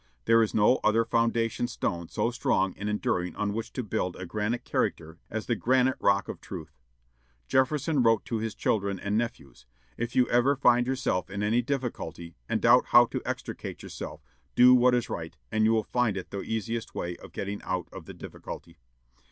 There is no other foundation stone so strong and enduring on which to build a granite character as the granite rock of truth. Jefferson wrote to his children and nephews: "If you ever find yourself in any difficulty, and doubt how to extricate yourself, do what is right, and you will find it the easiest way of getting out of the difficulty....